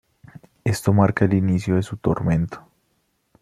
Esto marca el inicio de su tormento.